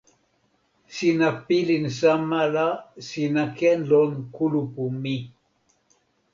sina pilin sama la sina ken lon kulupu mi.